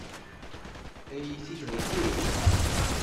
Ad iyi-t-id-theggi?